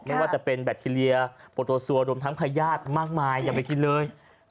ไม่ว่าจะเป็นแบคทีเรียโปรโตซัวรวมทั้งพญาติมากมายอย่าไปกินเลย